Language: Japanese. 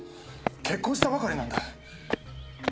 結婚したばかりなんだ。